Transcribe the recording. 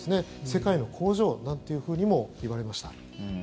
世界の工場なんていうふうにもいわれました。